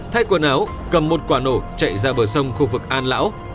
thay quần áo cầm một quả nổ chạy ra bờ sông khu vực an lão